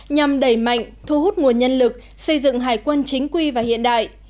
nhằm đẩy mạnh thu hút nguồn nhân lực xây dựng hải quân chính quy và hiện đại